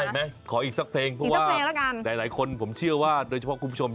ไหมขออีกสักเพลงเพราะว่าหลายคนผมเชื่อว่าโดยเฉพาะคุณผู้ชม